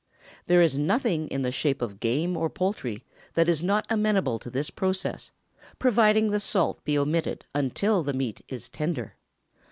There is nothing in the shape of game or poultry that is not amenable to this process, providing the salt be omitted until the meat is tender.